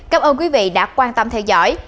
cảm ơn quý vị đã quan tâm theo dõi